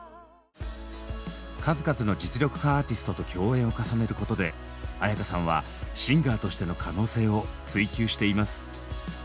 数々の実力派アーティストと共演を重ねることで絢香さんはシンガーとしての可能性を追求しています。